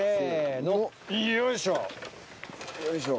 よいしょ！